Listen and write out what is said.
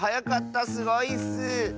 すごいッス！